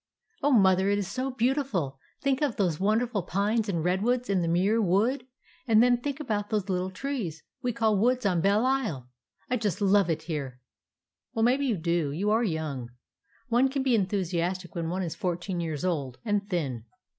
"Oh, Mother, it is so beautiful! Think of those wonderful pines and redwoods in the Muir Wood; and then think about those little trees we call woods on Belle Isle! I just love it here." "Well, maybe you do ; you are young. One can be enthusiastic when one is fourteen years old, and thin.